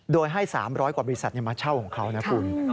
โดยให้๓๐๐กว่าบริษัทมาเช่าของเขานะคุณ